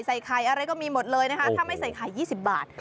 ใส่ไข่อะไรก็มีหมดเลยนะคะถ้าไม่ใส่ไข่๒๐บาท